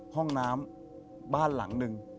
ห้องน้ำบ้านหลังหนึ่ง